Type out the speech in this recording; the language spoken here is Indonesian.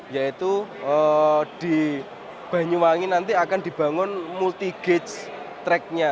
yaitu di banyuwangi nanti akan dibangun multi gauge track nya